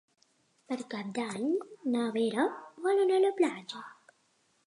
Per Cap d'Any na Vera vol anar a la platja.